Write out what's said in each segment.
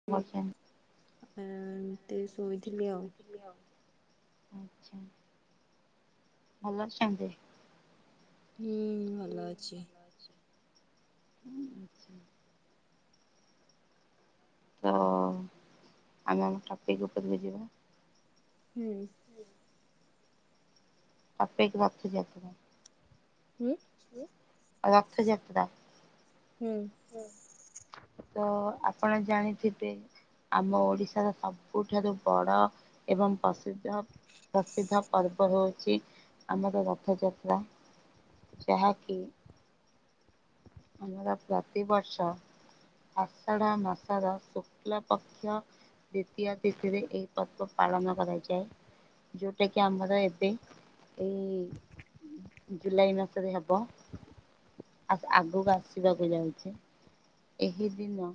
[unintelligible] ଏ ଟିକେ ଶୋଇଥିଲି ଆଉ। ଆଉ ଆଚ୍ଛା ଭଲ ଅଛନ୍ତି? ହୁଁ ଭଲ ଅଛି। ହୁଁ ଆଚ୍ଛା। ତ ଆମେ ଆମ ଟପିକ ଉପରକୁ ଯିବା। ହୁଁ ଆପେ ଏକ [unintelligible] ହୁଁ ରଥଯାତ୍ରା। ହୁଁ। ତ ଆପଣ ଜାଣିଥିବେ ଆମ ଓଡିଶାର ସବୁଠାରୁ ବଡ଼ ଏବଂ ପ୍ରସିଦ୍ଧ ପ୍ରସିଦ୍ଧ ପର୍ବ ହୋଉଚି ଆମର ରଥଯାତ୍ରା ଯାହା କି ଆମର ପ୍ରତିବର୍ଷ ଆଷଢ ମାସର ଶୁକ୍ଲ ପକ୍ଷ ଦ୍ୱିତୀୟ ତିଥିରେ ଏହି ପର୍ବ ପାଳନ କରାଯାଏ। ଯୋଉଟା କି ଆମର ଏବେ ଏଇ ଜୁଲାଇ ମାସରେ ହବ ଆ ଆଗକୁ ଆସିବାକୁ ଯାଉଚି। ଏହି ଦିନ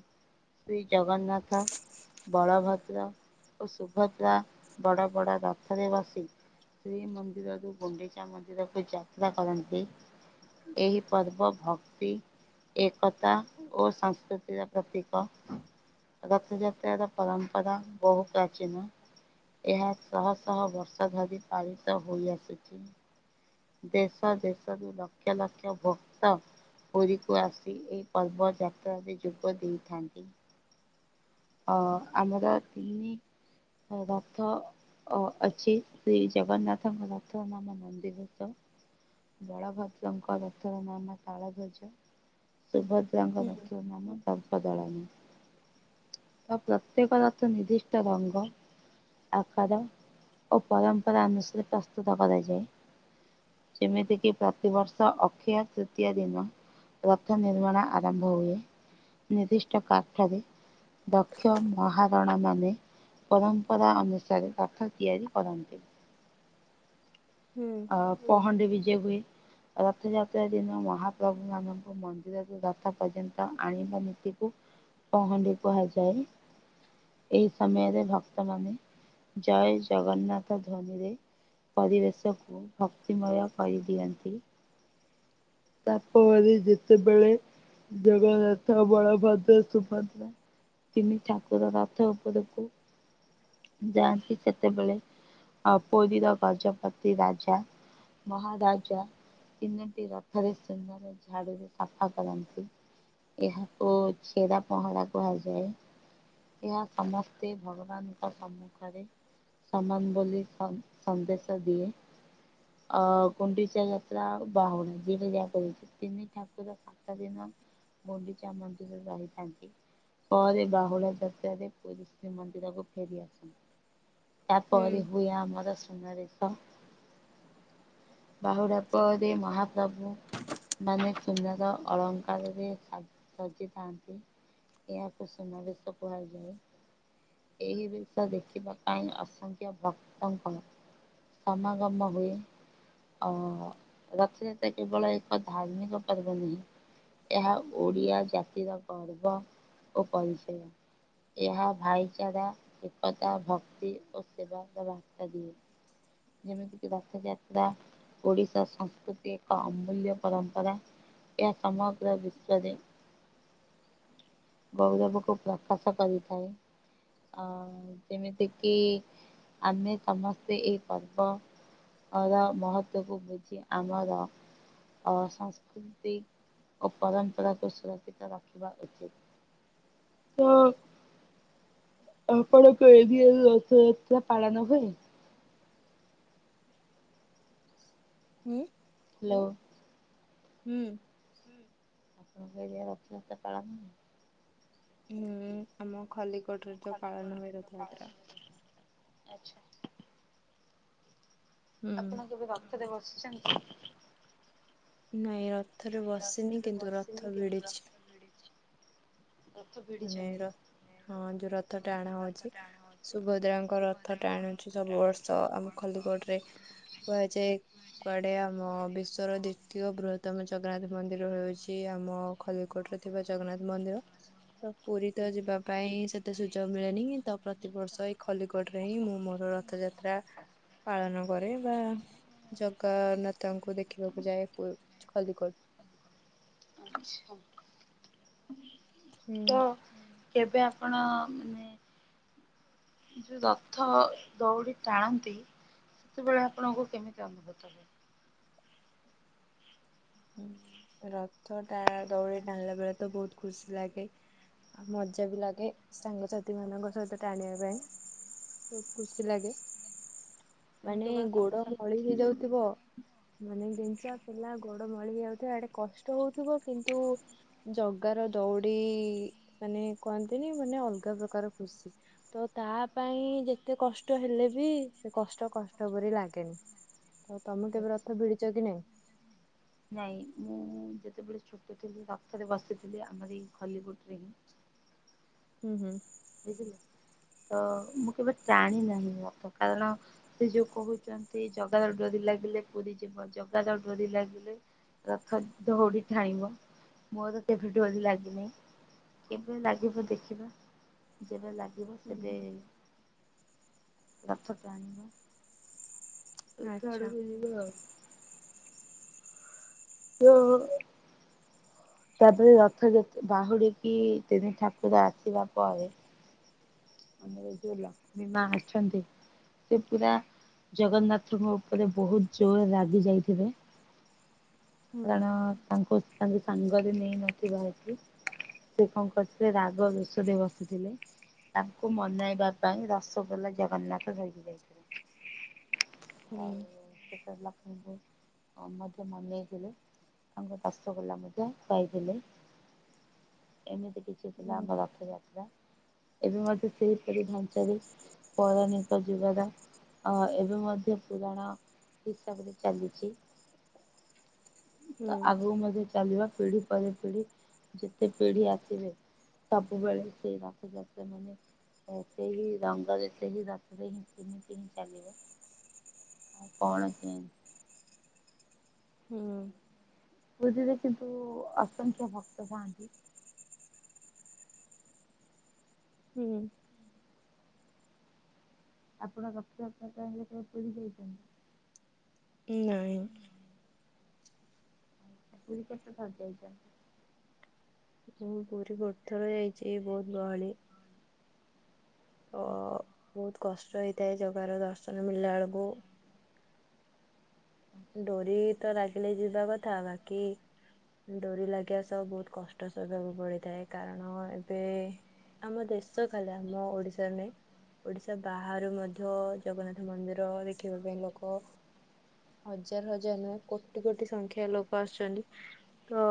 ଶ୍ରୀ ଜଗନ୍ନାଥ ବଳଭଦ୍ର ଓ ସୁଭଦ୍ରା ବଡ ବଡ ରଥରେ ବସି ଶ୍ରୀମନ୍ଦିରରୁ ଗୁଣ୍ଡିଚା ମନ୍ଦିରକୁ ଯାତ୍ରା କରନ୍ତି। ଏହି ପର୍ବ ଭକ୍ତି ଏକତା ଓ ସଂସ୍କୃତି ପ୍ରତିକ। ରଥଯାତ୍ରାର ପରମ୍ପରା ବହୁ ପ୍ରାଚୀନ। ଏହା ଶହ ଶହ ବର୍ଷ ଧରି ପାଳିତ ହୋଇ ଆସୁଚି। ଦେଶ ଦେଶରୁ ଲକ୍ଷ ଲକ୍ଷ ଭକ୍ତ ପୁରୀକୁ ଆସି ଏହି ପର୍ବଯାତ୍ରାରେ ଯୋଗ ଦେଇଥାନ୍ତି। ଅ ଆମର ତିନି ରଥ ଅ ଅଛି ଶ୍ରୀ ଜଗନ୍ନାଥଙ୍କ ରଥ ନାମ ମନ୍ଦିର ତ ବଳଭଦ୍ରଙ୍କ ରଥର ନାମ ତାଳଧ୍ୱଜ ସୁଭ ତାଙ୍କ ହୁଁ ମୁଖ୍ୟ ନାମ ତାଙ୍କ ଦର୍ପଦଳନ ପ୍ରତ୍ୟେକ ରଥ ନିଧିଷ୍ଟ ରଙ୍ଗ ଆକାର ଓ ପରମ୍ପରା ଅନୁସାରେ ପ୍ରସ୍ତୁତ କରାଯାଏ। ଯେମିତି କିି ପ୍ରତିବର୍ଷ ଅକ୍ଷୟ ତୃତୀୟ ଦିନ ରଥ ନିର୍ମାଣ ଆରମ୍ଭ ହୁଏ ନିର୍ଦ୍ଦିଷ୍ଟ କାଠରେ। ଦକ୍ଷ ମହାରଣା ମାନେ ପରମ୍ପରା ଅନୁସାରେ ରଖ ତିଆରି କରନ୍ତି। ହୁଁ ପହଣ୍ଡି ବିଜେ ହୁଏ। ରଥଯାତ୍ରା ଦିନ ମହାପ୍ରଭୁ ମାନଙ୍କୁ ମନ୍ଦିରରୁ ରଥ ପର୍ଯ୍ୟନ୍ତ ଆଣିବା ନୀତିକୁ ପହଣ୍ଡି କୁହାଯାଏ। ଏହି ସମୟରେ ଭକ୍ତମାନେ ଜୟ ଜଗନ୍ନାଥ ଧ୍ୱନିରେ ପରିବେଶକୁ ଭକ୍ତିମୟ କରିଦିଅନ୍ତି। ତାପରେ ଯେତେବେଳେ ଜଗନ୍ନାଥ ବଳଭଦ୍ର ସୁଭଦ୍ରା ତିନି ଠାକୁର ରଥ ଉପରକୁ ଯାଆନ୍ତି ସେତେବେଳେ ଅ ପୁରୀର ଗଜପତି ରାଜା ମହାରାଜା ତିନୋଟି ରଥରେ ସୁନାର ଝାଡୁରେ ସଫା କରନ୍ତି, ଏହାକୁ ଛେରା ପହଁରା କୁହାଯାଏ, ଏହା ସମସ୍ତେ ଭଗବାନ ସମ୍ମୁଖରେ ସମାନ ବୋଲି ସନ୍ଦେଶ ଦେଲେ। ଅ ଗୁଣ୍ଡିଚା ଯାତ୍ରା ଆଉ ବାହୁଡା଼ ଦିଟା ଜାକ ତିନି ଠାକୁର ସାତ ଦିନ ଗୁଣ୍ଡିଚା ମନ୍ଦିରରେ ରହିଥାନ୍ତି। ପରେ ବାହୁଡା଼ ଯାତ୍ରାରେ ପୁରୀ ଶ୍ରୀମନ୍ଦିରକୁ ଫେରିଆସନ୍ତି, ହୁଁ। ତାପରେ ହୁଏ ଆମର ସୁନାବେଶ। ବାହୁଡା ପରେ ମହାପ୍ରଭୁ ମାନେ ସୁନାର ଅଳଙ୍କାରରେ ସାଜ ସଜିଥାନ୍ତି ଏହାକୁ ସୁନାବେଶ କୁହାଯାଏ। ଏହି ବେଶ ଦେଖିବା ପାଇଁ ଅସଂଖ୍ୟ ଭକ୍ତଙ୍କ ସମାଗମ ହୁଏ। ଓ ରଥଯାତ୍ରା କେବଳ ଏକ ଧାର୍ମିକ ପର୍ବ ନୁହେଁ। ଏହା ଓଡିଆ ଜାତିର ଗର୍ବ ଓ ପରିଚୟ। ଏହା ଭାଇଚାରା ଏକତା ଭକ୍ତି ଓ ସେବାର ବାର୍ତ୍ତା ଦିଏ। ଯେମିତି କିି ରଥଯାତ୍ରା ଓଡିଶା ସଂସ୍କୃତି ଏକ ଅମୂଲ୍ୟ ପରମ୍ପରା ଏହା ସମଗ୍ର ବିଶ୍ୱରେ ଗୌରବକୁ ପ୍ରକାଶ କରିଥାଏ। ଅ ଯେମିତିକି ଆମେ ସମସ୍ତେ ଏଇ ପର୍ବ ଅର ମହତ୍ଵକୁ ବୁଝି ଆମର ଅ ସଂସ୍କୃତି ଓ ପରମ୍ପରାକୁ ସୁରକ୍ଷିତ ରଖିବା ଉଚିତ। ହଁ ଆପଣଙ୍କ ଏରିଆରେ ରଥଯାତ୍ରା ପାଳାନ ହୁଏ? ହୁଁ। ହ୍ୟାଲୋ ହୁଁ। ହଁ ହେଇଆ ରଥଯାତ୍ରା ପାଳନ ହୁଏ। ହୁଁ ଆମ ଖଲିକୋଟରେ ତ ପାଳନ ହୁଏ ରଥଯାତ୍ରା। ଆଚ୍ଛା। ହୁଁ ଆପଣ କେବେ ରଥରେ ବସିଚନ୍ତି? ନାଇଁ ରଥରେ ବସିନି କିନ୍ତୁ ରଥ ଭିଡିଛି। ରଥ ମାନେ ପିଡିଛନ୍ତି? ର ହଁ ଯୋଉ ରଥ ଟାଣା ହଉଛି ସୁଭଦ୍ରାଙ୍କ ରଥ ଟାଣୁଛି ସବୁ ବର୍ଷ ଆମ ଖଲିକୋଟ କୁହାଯାଏ କୁଆଡେ ଆମ ବିଶ୍ଵର ଦ୍ଵିତୀୟ ବୃହତ ତମ ଜଗନ୍ନାଥ ମନ୍ଦିର ହେଉଛି ଆମ ଖଲିକୋଟରେ ଥିବା ଜଗନ୍ନାଥ ମନ୍ଦିର। ତ ପୁରୀ ତ ଯିବା ପାଇଁ ସେତେ ସୁଯୋଗ ମିଳେନି ତ ପ୍ରତିବର୍ଷ ଏଇ ଖଲିକୋଟ ହିଁ ମୁଁ ମୋର ରଥଯାତ୍ରା ପାଳନ କରେ ବା ଜଗନ୍ନାଥଙ୍କୁ ଦେଖିବାକୁ ଯାଏ ପ ଖଲ୍ଲିକୋଟ। ଆଚ୍ଛା। ହୁଁ ତ କେବେ ଆପଣ ମାନେ ଯେଉଁ ରଥ ଦୌଡ଼ି ଟାଣନ୍ତି। ସେତେବେଳେ ଆପଣଙ୍କୁ କେମିତି ଅନୁଭୂତ ହୁଏ? ରଥ ଟା ଦୌଡି ଟାଣିଲା ବେଳେ ତ ବହୁତ ଖୁସି ଲାଗେ। ଆଉ ମଜା ବି ଲାଗେ ସାଙ୍ଗସାଥି ମାନଙ୍କ ସହିତ ଟାଣିବା ପାଇଁ। ବହୁତ ଖୁସି ଲାଗେ। ତମେ ମାନେ କେବଳ ଗୋଡ ସାଙ୍ଗସାଥି ଫଳି ହେଇଯାଉଥିବ। ମାନେ ଡେଞ୍ଚା ପଲା ଗୋଡ ମଳି ହେଇ ଯାଉଥିବ ଇଆଡେ କଷ୍ଟ ହଉଥିବ କିନ୍ତୁ। ଜଗାର ଦଉଡି ମାନେ କୁହନ୍ତିନି ମାନେ ଅଲଗା ପ୍ରକାର ଖୁସି। ତ ତା ପାଇଁ ଯେତେ କଷ୍ଟ ହେଲେ ବି ସେ କଷ୍ଟ କଷ୍ଟ ପରି ଲାଗେନି ତ ତମେ କେବେ ରଥ ଭିଡିଛ କି ନାଇଁ? ନାଇଁ ମୁଁ ଯେତେବେଳେ ଛୋଟ ଥିଲି ରଥରେ ବସିଥିଲି ଆମର ଏଇ ଖଲ୍ଲିକୋଟ ରେ ହିଁ। ହୁଁ ହୁଁ। ବୁଝିଲେ ତ ମୁଁ କେବେ ଟାଣି ନାହିଁ ରଥ କାରଣ। ସେ ଯୋଉ କହୁଛନ୍ତି ଜଗା ଡୋରି ଲାଗିଲେ ପୁରୀ ଯିବ ଜଗାର ଡୋରି ଲାଗିଲେ। ରଥ ଦଉଡି ଟାଣିବ ମୋର ତ ଭି ଡୋରି ଲାଗିନିଁ। କେବେ ଲାଗିବ ଦେଖିବା। ଯେବେ ଲାଗିବ ସେବେ ରଥ ଟାଣିବା। ଆଚ୍ଛା [unintelligible] ହଁ। ତାପରେ ରଥ ଯେତ ବାହୁଡିକି ତିନି ଠାକୁର ଆସିବା ପରେ। ଆମର ଯୋଉ ଲକ୍ଷ୍ମି ମା ଅଛନ୍ତି। ସେ ପୁରା ଜଗନ୍ନାଥଙ୍କ ଉପରେ ବହୁତ ଜୋର ରାଗି ଯାଇଥିବେ। ହୁଁ କାରଣ ତାଙ୍କୁ ତାଙ୍କ ସାଙ୍ଗରେ ନେଇ ନଥିବା ହେଥୁ ସେ କଣ କରିଥିଲେ ରାଗ ଋଷା ରେ ବସିଥିଲେ। ତାଙ୍କୁ ମନେଇବା ପାଇଁ ରସଗୋଲା ଜଗନ୍ନାଥ ଧରିକି ଯାଇଥିଲେ। ହୁଁ। ସେ ତ ଲକ୍ଷ୍ମୀଙ୍କୁ ମଧ୍ୟ ମନେଇଥିଲେ। ତାଙ୍କ ରସଗୋଲା ମଧ୍ୟ ଖାଇଥିଲେ ଏମିତି କି ସେଥିଲା ହୁଁ ଆମ ରଥଯାତ୍ରା। ଏବେ ମଧ୍ୟ ସେହିପରି ଢାଞ୍ଚାରେ [unintelligible] ଅ ଏବେ ମଧ୍ୟ ପୁରାଣ ହିସାବରେ ଚାଲିଛି। ତ ହୁଁ ଆଗକୁ ମଧ୍ୟ ଚାଲିବା ପିଢ଼ିତ। ପରେ ପିଢ଼ି ଯେତେ ପିଢି ଆସିବେ ସବୁବେଳେ ସେଇ ରଥଯା ମାନେ ଏତେ ହିଁ ରଙ୍ଗା ଯେତେ ହିଁ ରାତିରେ ହିଁ କେମିତି ହିଁ ଚାଲିବ। ହ କଣ କେ ଆଣି? ହୁଁ। ପୁରୀରେ କିନ୍ତୁ ଅସଂଖ୍ୟ ଭକ୍ତ ଥାଆନ୍ତି। ହୁଁ। ଆପଣ ଗପ ଗପ୍ ଚାହିଁଲେ କେ ପୁରୀ ଯାଇଛନ୍ତି। ନାଇଁ। ପୁରୀ କୁ କେତେଥର ଯାଇଚ? ମୁଁ ପୁରୀ ବୋହୁତ୍ ଥର ଯାଇଛି ବହୁତ ଗହଳି। ଅ ବହୁତ କଷ୍ଟ ହେଇଥାଏ ଜଗାର ଦର୍ଶନ ମିଳିଲା ବେଳକୁ। ଡୋରି ତ ଲାଗିଲେ ଯିବା କଥା ବାକି ଡୋରି ଲାଗିବା ସହ ବହୁତ୍ କଷ୍ଟ ସରିବାକୁ ପଡ଼ିଥାଏ କାରଣ ଏବେ ଆମ ଦେଶ ଖାଲି ଆମ ଓଡିଶାରେ ନାହିଁ। ଓଡିଶା ବାହାରୁ ମଧ୍ୟ ଜଗନ୍ନାଥ ମନ୍ଦିର ଦେଖିବା ପାଇଁ ଲୋକ ହଜାର ହଜାର ନୁହେଁ କୋଟି କୋଟି ସଂଖ୍ୟା ଲୋକ ଆସୁଛନ୍ତି ତ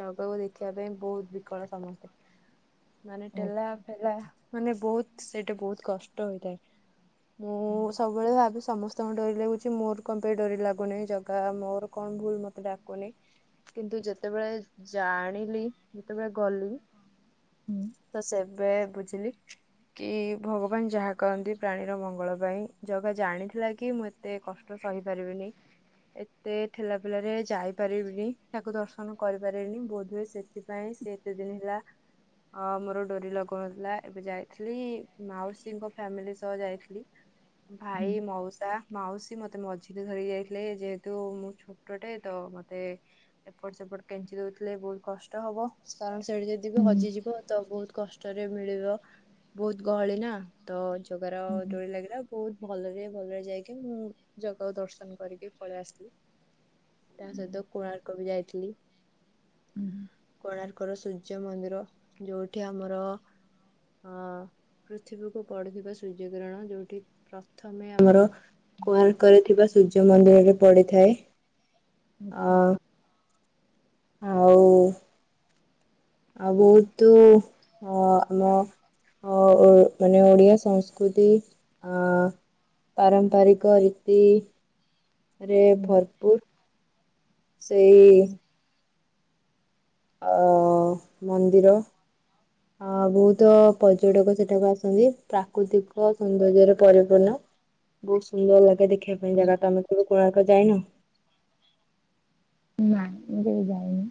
ଜଗାକୁ ଦେଖିବା ପାଇଁ ବହୁତ ବିକଳ ସମସ୍ତେ ମାନେ ଟେଲା ଆଚ୍ଛା ଫେଲା ମାନେ ବହୁତ ସେଇଟା ବହୁତ କଷ୍ଟ ହେଇଥାଏ। ମୁଁ ହୁଁ ସବୁବେଳେ ଭାବି ସମସ୍ତଙ୍କୁ ଡୋରି ଲାଗୁଛି ମୋର କଣ ପାଇଁ ଡୋରି ଲାଗୁନିଁ ଜାଗା ମୋର କଣ ଭୁଲ ମତେ ଡାକୁନେଇ। କିନ୍ତୁ ଯେତେବେଳେ ଜାଣିଲି ଯେତେବେଳେ ଗଲି ହୁଁ। ତ ସେବେ ବୁଝିଲି କି ଭଗବାନ ଯାହା କରନ୍ତି ପ୍ରାଣୀର ମଙ୍ଗଳ ପାଇଁ ଜଗା ଜାଣିଥିଲା କି ମୁଁ ଏତେ କଷ୍ଟ ସହିପାରିବିନି ଏତେ ଠେଲା ପେଲାରେ ଯାଇପାରିବିନି ତାକୁ ଦର୍ଶନ କରିପାରିନି ବୋଧହୁୁଏ ସେଥିପାଇଁ ସେ [unintelligible] ଅ ମୋର ଡୋରି ଲଗାଉନଥିଲା ଏବେ ଯାଇଥିଲି ମାଉସୀଙ୍କ ଫ୍ୟାମିଲି ସହ ଯାଇଥିଲି। ହୁଁ ଭାଇ ମାଉସା ମାଉସୀ ମତେ ମତେ ମଝିରେ ଧରି ଯାଇଥିଲେ ଯେହେତୁ ମୁଁ ଛୋଟଟେ ତ ମତେ ଏପଟ ସେପଟ କେଞ୍ଚି ଦଉଥିଲେ ବହୁତ୍ କଷ୍ଟ ହବ। କାରଣ ସେଠି ଯଦି ବି ହଜିଯିବ ତ ବହୁତ କଷ୍ଟରେ ମିଳିବ ବହୁତ୍ ଗହଳି ନା। ତ ଜଗାର ହୁଁ ଡୋରି ଲାଗିଲା ବହୁତ ଭଲରେ ଭଲରେ ଯାଇକି ମୁଁ ଜଗା ଦର୍ଶନ କରିକି ପଳେଇ ଆସିଲୁ। ତା ସହିତ କୋଣାର୍କ ବି ଯାଇଥିଲି ହୁଁ କୋଣାର୍କ୍ ଙ୍କର ସୂର୍ଯ୍ୟ ମନ୍ଦିର ଯୋଉଠି ଆମର ଅ ପୃଥିବୀକୁ ପଢୁଥିବା ସୂର୍ଯ୍ୟକିରଣ ଯୋଉଠି ପ୍ରଥମେ ଆମର କୋଣାର୍କରେ ଥିବା ସୂର୍ଯ୍ୟ ମନ୍ଦିରରେ ପଡ଼ିଥାଏ ଅ ଆଚ୍ଛା ଆଉ ଆଉ ବହୁତ ଅ ଆମ ଅ ଓ ମାନେ ଓଡ଼ିଆ ସଂସ୍କୃତି ଆ ପାରମ୍ପାରିକ ରୀତି ରେ ହୁଁ ଭରପୁର ସେଇ ଆଉ ମନ୍ଦିର ଆ ବହୁତ ପର୍ଯ୍ୟଟକ ସେଠାକୁ ଆସନ୍ତି ପ୍ରାକୃତିକ ସୌନ୍ଦର୍ଯ୍ୟରେ ପରିପୂର୍ଣ୍ଣ। ବହୁତ ସୁନ୍ଦର ଲାଗେ ଦେଖିବା ପାଇଁ ହୁଁ ଜାଗା ତ ଆମେ କେବେ କୋଣାର୍କ ଯାଇନ? ନା ମୁଁ କେବେ ଯାଇନି?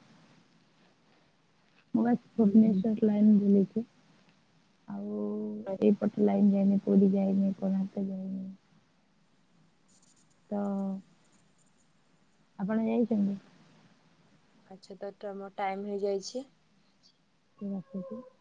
ମୁଁ ବାସ ହୁଁ ହୁଁ ଭୁବନେଶ୍ଵର ଲାଇନ ବୁଲିଛି। ଆଉ ଏଇପଟ ଲାଇନ୍ ଯାଇନି। ପୁରୀ ଯାଇନି। କୋଣାର୍କ ଯାଇନି। ତ ଆପଣ ଯାଇଛନ୍ତି? ଆଚ୍ଛା ତ ମୋ ଟାଇମ୍ ହେଇଯାଇଛି। [unintelligible]